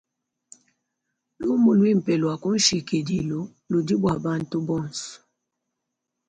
Lumu luimpe lua kunshikidilu ludi bua bantu bonso.